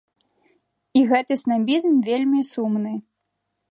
І гэты снабізм вельмі сумны.